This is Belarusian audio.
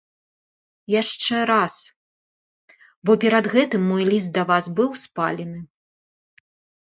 Яшчэ раз, бо перад гэтым мой ліст да вас быў спалены.